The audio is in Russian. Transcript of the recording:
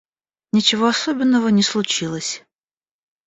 Ничего особенного не случилось.